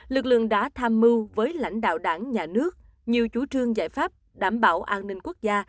lực lượng đã tham mưu với lãnh đạo đảng nhà nước nhiều chủ trương giải pháp đảm bảo an ninh quốc gia